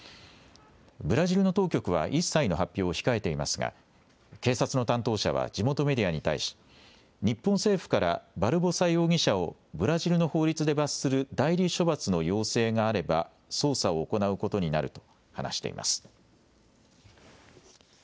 ブラジルの当局は一切の発表を控えていますが、警察の担当者は地元メディアに対し、日本政府からバルボサ容疑者をブラジルの法律で罰する代理処罰の要請があれば、捜査を行うことになると話しています。